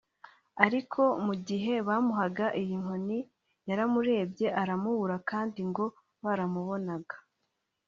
ariko mu gihe bamuhaga iyi nkoni yaramurebye aramubura kandi ngo baramubonaga